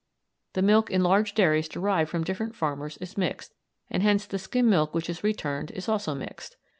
The milk in large dairies derived from different farmers is mixed, and hence the skim milk which is returned is also mixed.